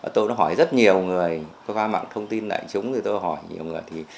tôi hỏi rất nhiều người qua mạng thông tin lại chúng tôi hỏi nhiều người